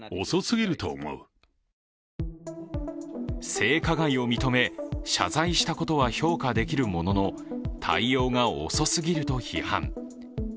性加害を認め、謝罪したことは評価できるものの対応が遅すぎると批判。